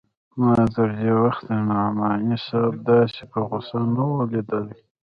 ما تر دې وخته نعماني صاحب داسې په غوسه نه و ليدلى.